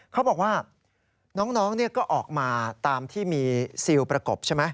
เขาบอกว่าน้องก็ออกมาตามที่มีซิลประกบใช่ไหม